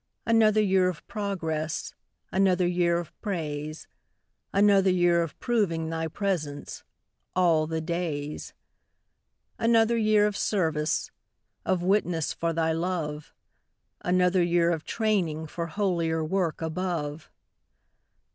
Another year of progress, Another year of praise; Another year of proving Thy presence 'all the days.' Another year of service, Of witness for Thy love; Another year of training For holier work above.